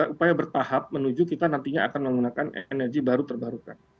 upaya bertahap menuju kita nantinya akan menggunakan energi baru terbarukan